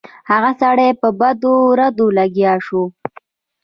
هغه سړی په بدو ردو لګیا شو.